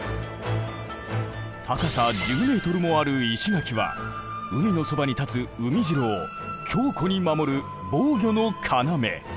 高さ１０ｍもある石垣は海のそばに立つ海城を強固に守る防御の要。